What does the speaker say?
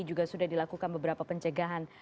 juga sudah dilakukan beberapa pencegahan